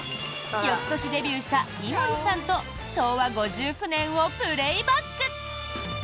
翌年デビューした井森さんと昭和５９年をプレーバック。